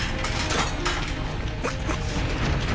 あっ！